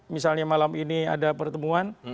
misalnya malam ini ada pertemuan